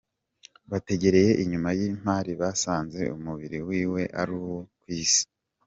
Bategereye inyuma y'impari basanze umubiri wiwe aruwo kw'isi.